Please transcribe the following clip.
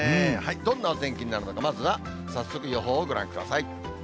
どんなお天気になるのか、まずは早速、予報をご覧ください。